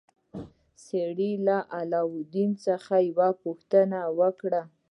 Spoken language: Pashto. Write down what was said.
سړي له علاوالدین څخه یوه پوښتنه وکړه.